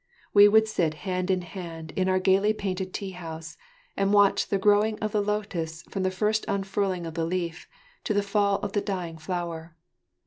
We would sit hand in hand in our gaily painted tea house, and watch the growing of the lotus from the first unfurling of the leaf to the fall of the dying flower.